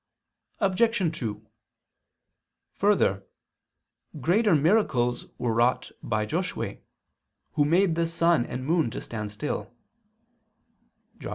Obj. 2: Further, greater miracles were wrought by Josue, who made the sun and moon to stand still (Josh.